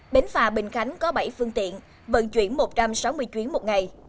bến phà bình khánh có bảy phương tiện vận chuyển một trăm sáu mươi chuyến một ngày